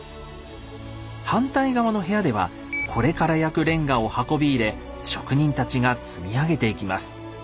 反対側の部屋ではこれから焼くレンガを運び入れ職人たちが積み上げていきます。